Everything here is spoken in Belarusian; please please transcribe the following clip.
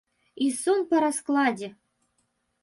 І сон па раскладзе.